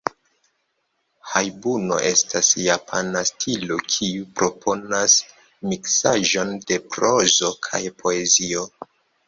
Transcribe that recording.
Hajbuno estas japana stilo kiu proponas miksaĵon de prozo kaj poezio.